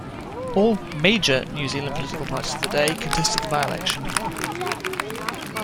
All "major" New Zealand political parties of the day contested the by-election.